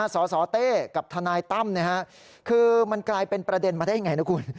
สสเต้กับทนายตั้มคือมันกลายเป็นประเด็นมาได้ยังไงนะคุณ